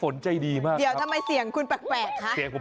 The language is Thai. ที่นี่มันเสาครับ